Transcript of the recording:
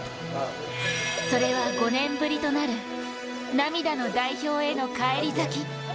それは５年ぶりとなる涙の代表への返り咲き